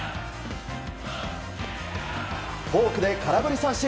フォークで空振り三振。